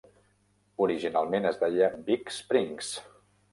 Originalment es deia Big Springs.